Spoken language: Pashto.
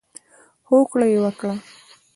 هوکړه یې وکړه.